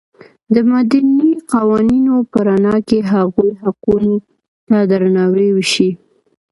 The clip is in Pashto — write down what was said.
د مدني قوانینو په رڼا کې هغوی حقونو ته درناوی وشي.